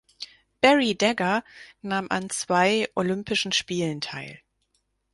Barry Dagger nahm an zwei Olympischen Spielen teil.